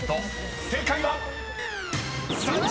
［正解は⁉］